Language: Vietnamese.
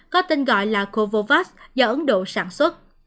có tên gọi là kovovas do ấn độ sản xuất